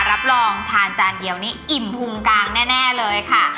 รับรองทานจานเดียวนี้อิ่มพุงกลางแน่เลยค่ะ